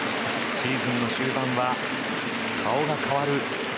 シーズン終盤は顔が変わる。